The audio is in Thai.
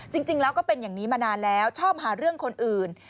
จริงแล้วก็เป็นอย่างนี้มานานแล้วชอบหาเรื่องคนอื่น